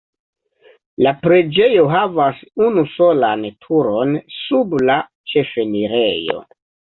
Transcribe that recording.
La preĝejo havas unusolan turon sub la ĉefenirejo.